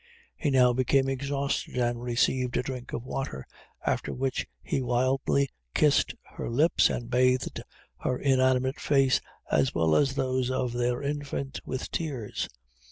He now became exhausted, and received a drink of water, after which he wildly kissed her lips, and bathed her inanimate face, as well as those of their infant, with tears.